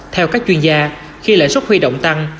theo các chuyên gia khi lãi suất huy động tăng